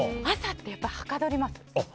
朝ってやっぱり、はかどります。